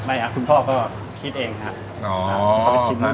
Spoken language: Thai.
ไม่ค่ะที่คุณพ่อก็คิดเองครับ